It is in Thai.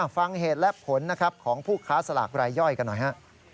ฟังเหตุและผลนะครับของผู้ค้าสลากรายย่อยกันหน่อยฮะ